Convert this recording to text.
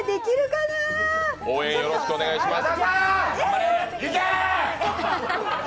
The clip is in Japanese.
応援よろしくお願いします。